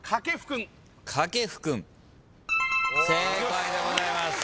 正解でございます。